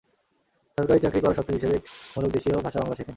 সরকারি চাকরি করার শর্ত হিসেবে একটি বাধ্যতামূলক দেশীয় ভাষা বাংলা শেখেন।